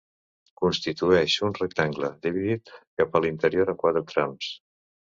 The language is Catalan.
Constitueix un rectangle dividit cap a l'interior en quatre trams.